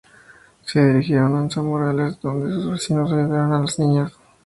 Se dirigieron a San Morales, donde sus vecinos ayudaron a las niñas.